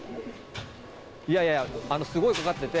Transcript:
いやいや、すごいかかってて。